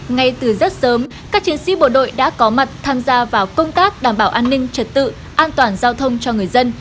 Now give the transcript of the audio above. ngay từ rất sớm các chiến sĩ bộ đội đã có mặt tham gia vào công tác đảm bảo an ninh trật tự an toàn giao thông cho người dân